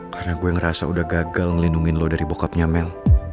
karena gue ngerasa udah gagal ngelindungin lu dari bokapnya mel